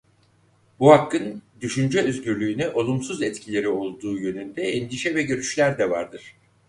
Bu hakkın düşünce özgürlüğüne olumsuz etkileri olduğu yönünde endişe ve görüşler de vardır.